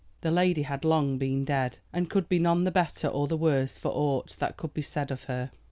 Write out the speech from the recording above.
The lady had long been dead, and could be none the better or the worse for aught that could be said of her.